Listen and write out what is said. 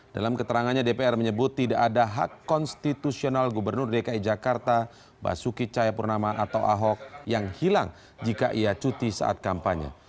dalam keterangannya dpr menyebut tidak ada hak konstitusional gubernur dki jakarta basuki cayapurnama atau ahok yang hilang jika ia cuti saat kampanye